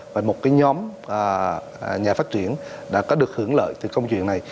và một cái nhóm nhà phát triển đã có được hưởng lợi từ công chuyện này